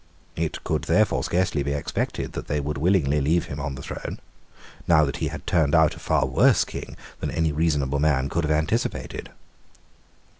It could therefore scarcely be expected that they would willingly leave him on the throne, now that he had turned out a far worse King than any reasonable man could have anticipated.